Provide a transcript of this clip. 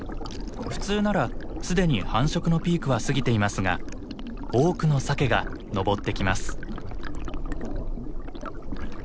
普通ならすでに繁殖のピークは過ぎていますが多くのサケが上ってきます。